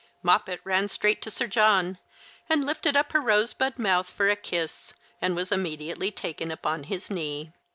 Moppet ran straight to Sir John, and lifted up her rosebud mouth for a kiss, and was immediately taken upon his knee.